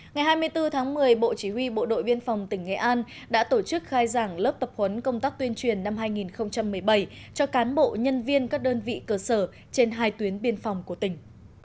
ngày hai mươi bốn tháng một mươi bộ chỉ huy bộ đội biên phòng tỉnh nghệ an đã tổ chức khai giảng lớp tập huấn công tác tuyên truyền năm hai nghìn một mươi bảy cho cán bộ nhân viên các đơn vị cơ sở trên hai tuyến biên phòng của tỉnh